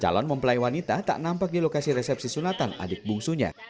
calon mempelai wanita tak nampak di lokasi resepsi sunatan adik bungsunya